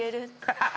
ハハハ！